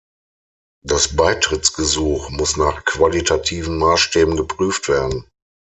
Das Beitrittsgesuch muss nach qualitativen Maßstäben geprüft werden.